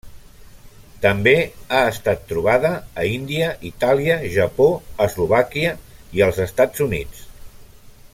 També ha estat trobada a Índia, Itàlia, Japó, Eslovàquia i els Estats Units.